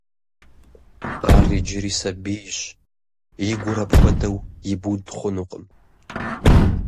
Ар иджыри сабийщ, и гур апхуэдэу ибуд хъунукъым.